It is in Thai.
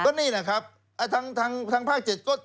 นี่นะครับทางภาค๗ก็